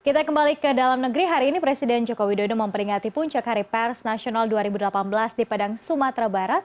kita kembali ke dalam negeri hari ini presiden joko widodo memperingati puncak hari pers nasional dua ribu delapan belas di padang sumatera barat